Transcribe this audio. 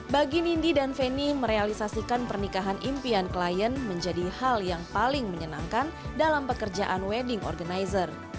bagi nindi dan feni merealisasikan pernikahan impian klien menjadi hal yang paling menyenangkan dalam pekerjaan wedding organizer